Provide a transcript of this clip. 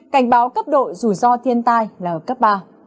cảnh báo cấp độ dù do thiên tai là cấp ba